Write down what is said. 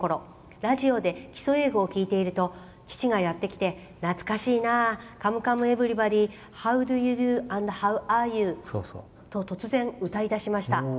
ラジオで基礎英語を聞いていると父がやってきて、懐かしいな「カムカムエヴリバディ」「ハウドゥユードゥーアンドハウアーユー」といつも歌いだしました。